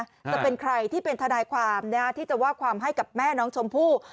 จะเป็นใครที่เป็นทนายความที่จะว่าความให้กับแม่น้องชมพู่